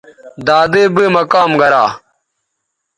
دادئ بئ مہ کام گرا